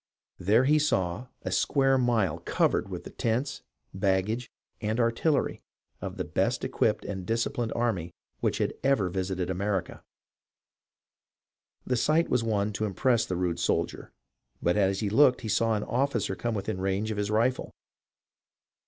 There he saw a square mile covered with the tents, baggage, and artillery of the best equipped and disciplined army which had ever visited America. The sight was one to impress the rude soldier, but as he looked he saw an officer come within range of his rifle.